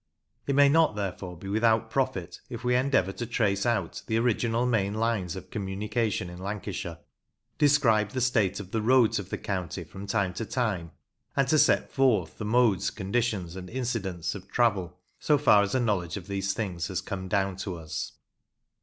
It may not, therefore, be without profit if we endeavour to trace out the original main lines of communication in Lancashire, describe the state of the roads of the county from time to time, and to set forth the modes, conditions, and incidents of travel, so far as a knowledge of those things has come down to us.